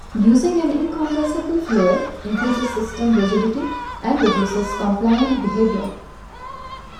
Using an incompressible fluid increases system rigidity and reduces compliant behavior.